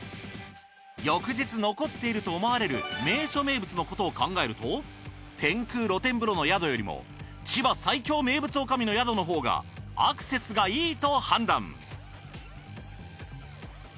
翌日残っていると思われる名所名物のことを考えると天空露天風呂の宿よりも千葉最強名物女将の宿の方がアクセスがいいと判断。